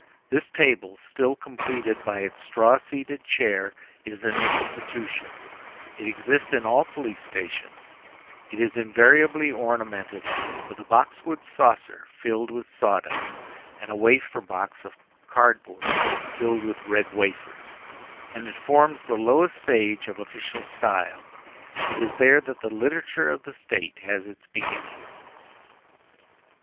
This table, still completed by its straw seated chair, is an institution; it exists in all police stations; it is invariably ornamented with a box wood saucer filled with sawdust and a wafer box of cardboard filled with red wafers, and it forms the lowest stage of official style. It is there that the literature of the State has its beginning.